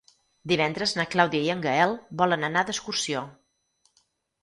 Divendres na Clàudia i en Gaël volen anar d'excursió.